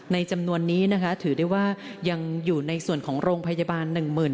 จำนวนนี้นะคะถือได้ว่ายังอยู่ในส่วนของโรงพยาบาล